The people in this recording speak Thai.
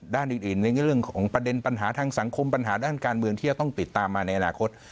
ด้านอื่นในเรื่องของประเด็นปัญหาทางสังคมปัญหาด้านการเมืองที่จะต้องติดตามมาในอนาคต